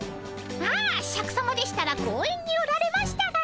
ああシャクさまでしたら公園におられましたが。